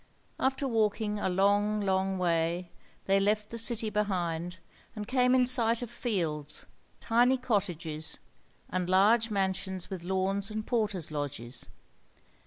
After walking a long, long way they left the city behind, and came in sight of fields, tiny cottages, and large mansions with lawns and porters' lodges.